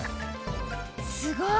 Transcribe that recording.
すごい！